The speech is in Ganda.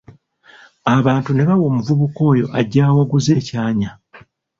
Abantu ne bawa omuvubuka oyo ajja awaguza, ekyanya.